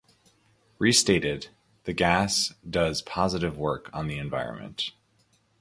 Restated, the gas does positive work on the environment.